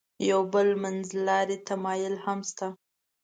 یو بل منځلاری تمایل هم شته.